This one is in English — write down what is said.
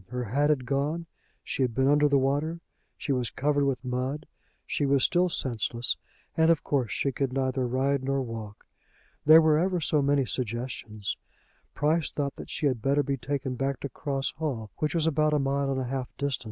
Her hat had gone; she had been under the water; she was covered with mud; she was still senseless, and of course she could neither ride nor walk. There were ever so many suggestions. Price thought that she had better be taken back to Cross Hall, which was about a mile and a half distant.